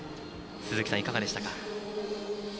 鈴木さん、いかがでしたか？